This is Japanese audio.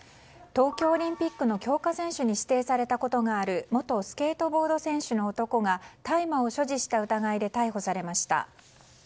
東京オリンピックの強化選手に指定されたことがある元スケートボード選手の男が大麻を所持した疑いで逮捕されました。